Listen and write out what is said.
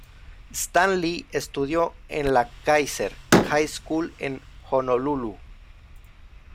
Stanley estudió en la Kaiser High School en Honolulú.